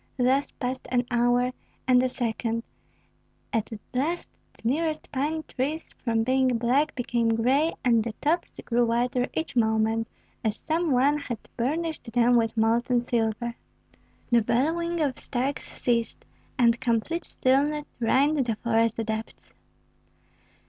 Thus passed an hour, and a second; at last the nearest pine trees from being black became gray, and the tops grew whiter each moment, as if some one had burnished them with molten silver. The bellowing of stags ceased, and complete stillness reigned in the forest depths.